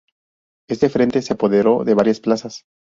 Este frente se apoderó de varias plazas.